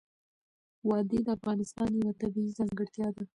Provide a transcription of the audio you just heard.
وادي د افغانستان یوه طبیعي ځانګړتیا ده.